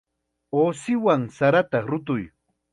Uusiwan sarata rutuy.